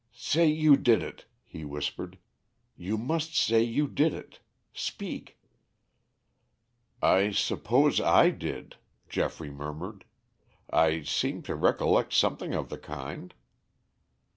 "Say you did it," he whispered. "You must say you did it. Speak." "I suppose I did," Geoffrey murmured. "I seem to recollect something of the kind."